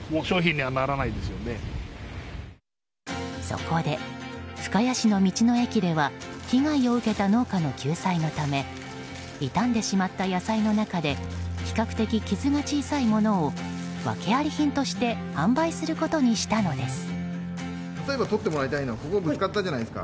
そこで深谷市の道の駅では被害を受けた農家の救済のため傷んでしまった野菜の中で比較的、傷が小さいものを訳あり品として販売することにしたのです。